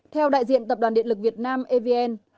theo đại diện tập đoàn điện lực việt nam evn